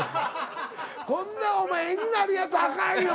こんなんお前絵になるやつあかんよ。